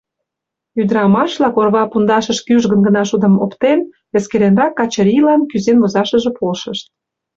Ӱдрамаш-влак, орва пундашыш кӱжгын гына шудым оптен, эскеренрак Качырийлан кӱзен возашыже полшышт.